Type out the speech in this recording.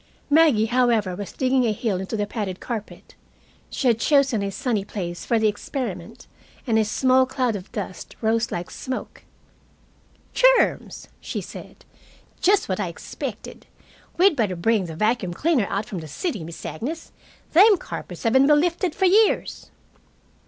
Maggie, however, was digging a heel into the padded carpet. She had chosen a sunny place for the experiment, and a small cloud of dust rose like smoke. "Germs!" she said. "Just what I expected. We'd better bring the vacuum cleaner out from the city, Miss Agnes. Them carpets haven't been lifted for years."